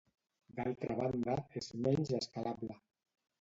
D'altra banda, és menys escalable.